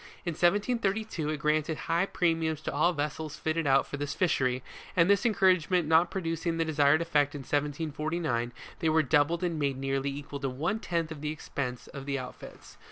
In 173'2, it granted high premiums to all vessels fitted out for this fishery, and this encouragement not producing the desired effect in 1 749, they were doubled and made nearly equal to one tenth of the expense of the outfits.